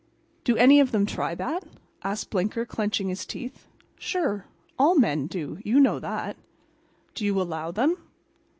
"Do any of them try that?" asked Blinker, clenching his teeth. "Sure. All men do. You know that." "Do you allow them?"